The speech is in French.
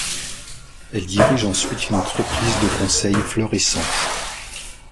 Elle dirige ensuite une entreprise de conseil florissante.